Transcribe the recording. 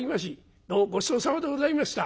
どうもごちそうさまでございました。